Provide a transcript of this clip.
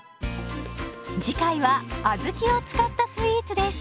次回は小豆を使ったスイーツです。